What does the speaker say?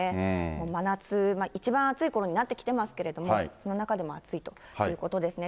もう真夏、一番暑いころになってきてますけれども、その中でも暑いということですね。